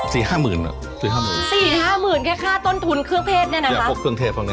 สี่ห้าหมื่นอ่ะสี่ห้าหมื่น